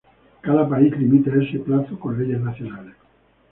Cada país limita este plazo con leyes nacionales.